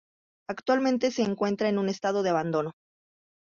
Actualmente se encuentra en estado de abandono.